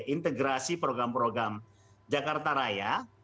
integrasi program program jakarta raya